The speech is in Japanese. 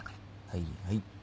はいはい。